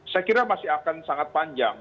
saya kira masih akan sangat panjang